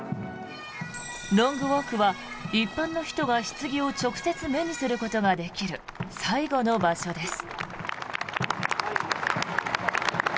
ロングウォークは一般の人が、ひつぎを直接目にすることができる最後の場所です。